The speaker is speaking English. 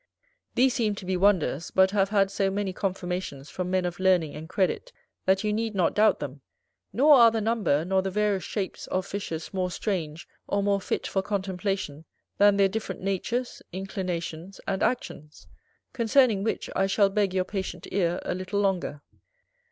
These seem to be wonders; but have had so many confirmations from men of learning and credit, that you need not doubt them. Nor are the number, nor the various shapes, of fishes more strange, or more fit for contemplation, than their different natures, inclinations, and actions; concerning which, I shall beg your patient ear a little longer.